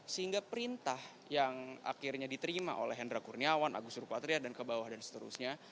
sehingga perintah yang akhirnya diterima oleh hendra kurniawan agus rupatria dan ke bawah dan seterusnya